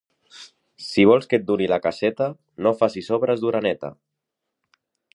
Si vols que et duri la caseta, no facis obres d'oreneta.